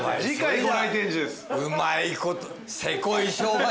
うまいこと。